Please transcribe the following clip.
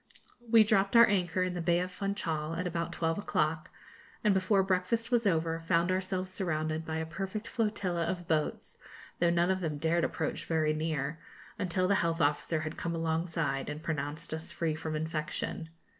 We dropped our anchor in the bay of Funchal at about twelve o'clock, and before breakfast was over found ourselves surrounded by a perfect flotilla of boats, though none of them dared approach very near until the health officer had come alongside and pronounced us free from infection.